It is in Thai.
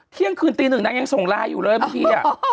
เที่ยงคืนตีหนึ่งนางยังส่งลายอยู่เลยเมื่อกี้